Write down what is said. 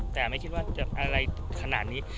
แต่ไม่คิดว่าจะอะไรขนาดนี้